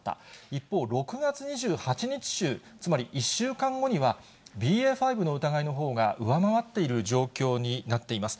一方、６月２８日週、つまり１週間後には、ＢＡ．５の疑いのほうが上回っている状況になっています。